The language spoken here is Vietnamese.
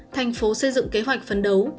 thành phố xây dựng kế hoạch phấn đấu